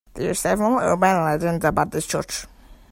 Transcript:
There are several urban legends about this church.